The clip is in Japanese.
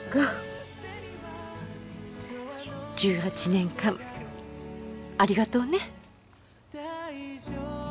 １８年間ありがとうね。